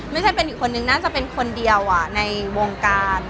ไม่ใช่เป็นอีกคนนึงน่าจะเป็นคนเดียวในวงการ